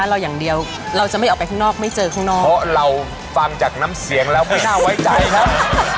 เพราะเราฟังจากน้ำเสียงแล้วไม่น่าไว้ใจครับ